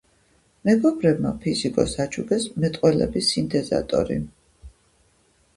მეგობრებმა ფიზიკოსს აჩუქეს მეტყველების სინთეზატორი.